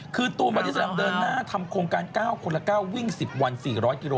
คือตูนบอดี้แลมเดินหน้าทำโครงการ๙คนละ๙วิ่ง๑๐วัน๔๐๐กิโล